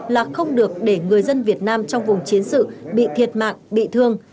là không được để người dân việt nam trong vùng chiến sự bị thiệt mạng bị thương